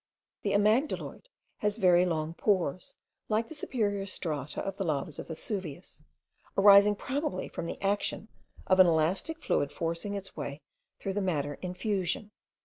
The amygdaloid has very long pores, like the superior strata of the lavas of Vesuvius, arising probably from the action of an elastic fluid forcing its way through the matter in fusion.